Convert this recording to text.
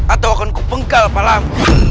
atau akan kupengkal palang